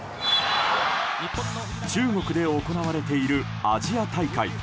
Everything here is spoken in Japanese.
中国で行われているアジア大会。